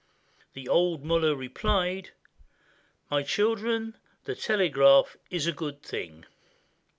The old mollah replied, "My children, the telegraph is a good thing.